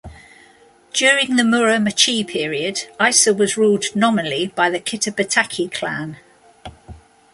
During the Muromachi period, Ise was ruled nominally by the Kitabatake clan.